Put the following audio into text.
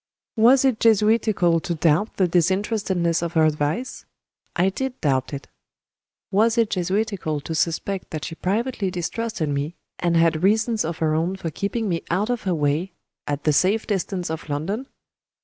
Was it Jesuitical to doubt the disinterestedness of her advice? I did doubt it. Was it Jesuitical to suspect that she privately distrusted me, and had reasons of her own for keeping me out of her way, at the safe distance of London?